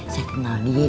saya kenal dia